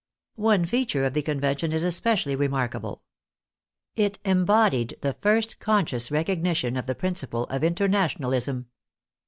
One feature of the Con vention is especially remarkable. It embodied the first conscious recognition of the principle of International ism.